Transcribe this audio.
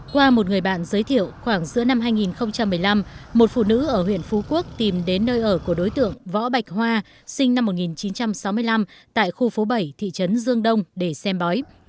qua một người bạn giới thiệu khoảng giữa năm hai nghìn một mươi năm một phụ nữ ở huyện phú quốc tìm đến nơi ở của đối tượng võ bạch hoa sinh năm một nghìn chín trăm sáu mươi năm tại khu phố bảy thị trấn dương đông để xem bói